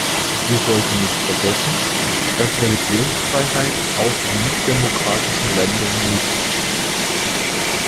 Wir sollten nicht vergessen, dass Religionsfreiheit auch in nichtdemokratischen Ländern möglich ist.